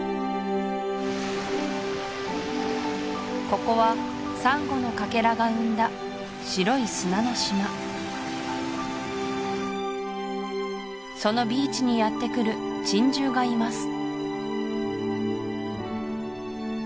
ここはサンゴのかけらが生んだ白い砂の島そのビーチにやってくる珍獣がいます